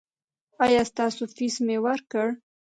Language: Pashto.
ایا ستاسو فیس مې ورکړ؟